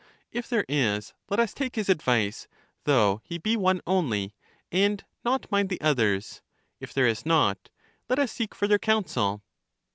If there is, let us take his advice, though he be one only, and not mind the oth ers; if there is not, let us seek further counsel.